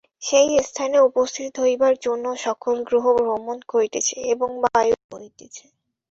সেই স্থানে উপস্থিত হইবার জন্য সকল গ্রহ ভ্রমণ করিতেছে এবং বায়ুও বহিতেছে।